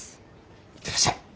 いってらっしゃい。